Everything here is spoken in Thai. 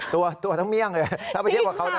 ตัวทั้งเมี่ยงเลย